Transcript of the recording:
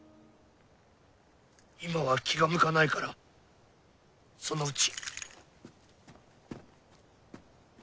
今は気が向かないからそのうち。